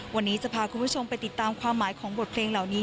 วันนี้จะพาคุณผู้ชมไปติดตามความหมายของบทเพลงเหล่านี้